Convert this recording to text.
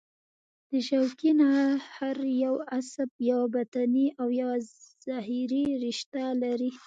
د شوکي نخاع هر یو عصب یوه بطني او یوه ظهري رشته لري.